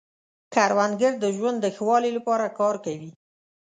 کروندګر د ژوند د ښه والي لپاره کار کوي